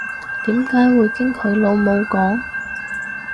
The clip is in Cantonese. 點解會經佢老母溝